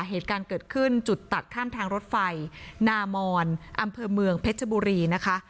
เหตุการณ์เกิดขึ้นจุดตัดข้ามทางรถไฟนามอนอำเภอเมืองเพชรบุรีนะคะ